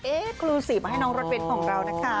เอกลูซิบมาให้น้องรถเว้นของเรานะคะ